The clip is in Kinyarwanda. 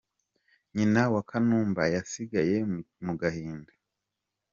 Nyina wa Kanumba yasigaye mu gahinda.